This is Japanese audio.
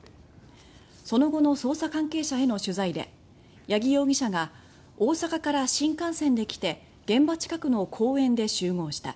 その後の捜査関係者への取材で八木容疑者が「大阪から新幹線で来て現場近くの公園で集合した」